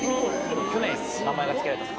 去年名前が付けられた魚。